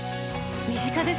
身近ですね。